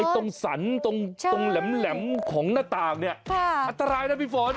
ตรงสรรตรงแหลมของหน้าต่างเนี่ยอันตรายนะพี่ฟ้อน